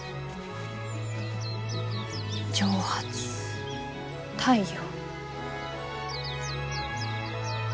蒸発太陽。